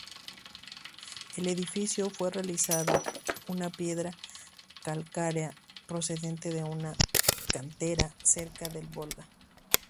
El edificio fue realizado en piedra calcárea procedente de una cantera cerca del Volga.